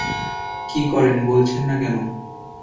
কি করেন বলছেন না কেন?